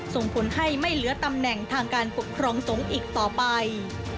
ส่งผลให้ไม่เหลือตำแหน่งทางการปกครองสงฆ์อีกต่อไป